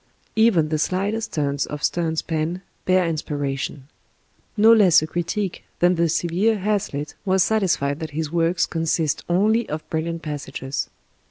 Even the slightest turns of Sterne's pen bear inspiration. No less a critic than the severe Hazlitt was satisfied that "his works consist only of brilliant passages."